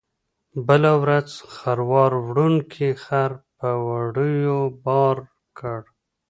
بله ورځ خروار وړونکي خر په وړیو بار کړ.